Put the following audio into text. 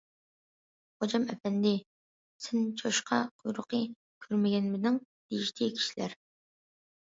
- غوجام ئەپەندى، سەن چوشقا قۇيرۇقى كۆرمىگەنمىدىڭ؟- دېيىشتى كىشىلەر.